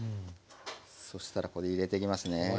そしたらこれ入れていきますね。